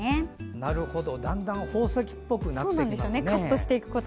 なるほど、だんだん宝石っぽくなってきましたね。